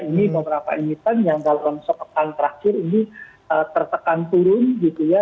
ini beberapa emiten yang dalam sepekan terakhir ini tertekan turun gitu ya